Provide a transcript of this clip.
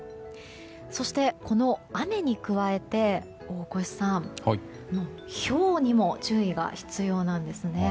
そして、この雨に加えて大越さんひょうにも注意が必要なんですね。